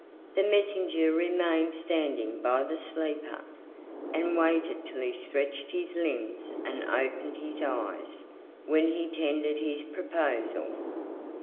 The messenger remained standing by the sleeper, and waited till he stretched his limbs and opened his eyes, when he tendered his proposal.